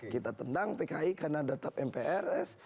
kita tendang pki karena data mprs